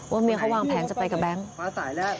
ว่าเมียเขาวางแผนจะไปกับแบงค์